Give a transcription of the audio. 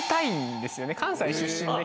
関西出身で。